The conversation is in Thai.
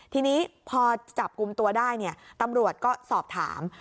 ทีนี้พอจับกลุ่มตัวได้ตำรวจก็สอบถาม